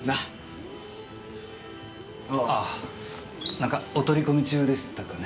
何かお取り込み中でしたかね。